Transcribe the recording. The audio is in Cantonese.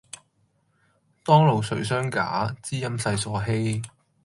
當路誰相假，知音世所稀。